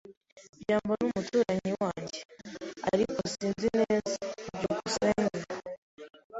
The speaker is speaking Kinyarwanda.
byambo ni umuturanyi wanjye, ariko sinzi neza. byukusenge